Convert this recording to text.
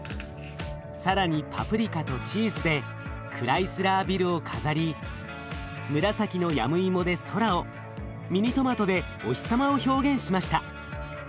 更にパプリカとチーズでクライスラービルを飾り紫のヤムイモで空をミニトマトでお日様を表現しました。